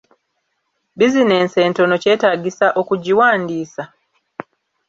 Bizinensi entono kyetaagisa okugiwandiisa?